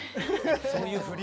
そういう振り？